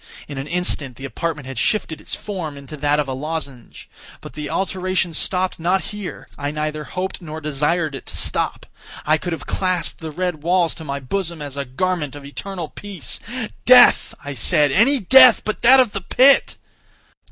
In an instant the apartment had shifted its form into that of a lozenge. But the alteration stopped not here—I neither hoped nor desired it to stop. I could have clasped the red walls to my bosom as a garment of eternal peace. "Death," I said, "any death but that of the pit!"